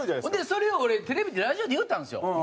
ほんでそれを俺テレビでラジオで言ったんですよ。